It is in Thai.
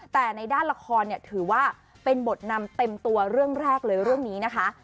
แต่ในด้านละครเนี่ยถือว่าเป็นบทนำเต็มตัวเรื่องแรกเลยเรื่องนี้นะคะ